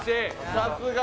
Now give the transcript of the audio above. さすが！